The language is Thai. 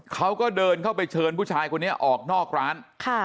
เขาก็เดินเข้าไปเชิญผู้ชายคนนี้ออกนอกร้าน